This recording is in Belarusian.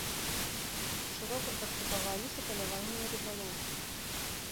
Шырока практыкаваліся паляванне і рыбалоўства.